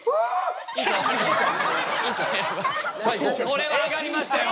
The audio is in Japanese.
これは上がりましたよ。